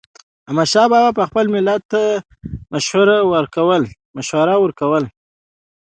احمدشاه بابا به خپل ملت ته مشوره ورکوله.